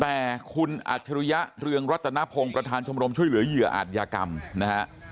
แต่คุณอ่าชะรุยะเรืองรัตนภงประธานชมช่วยเหลือเยอะอาจยกรรมนะฮะ